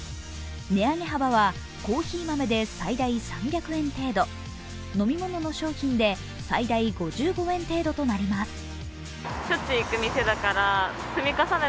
値上げ幅はコーヒー豆で最大３００円程度、飲み物の商品で最大５５円程度となります。